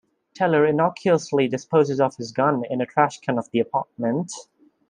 Teller innocuously disposes of his gun in a trashcan of the apartment.